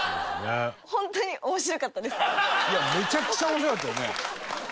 いやめちゃくちゃ面白かったよね。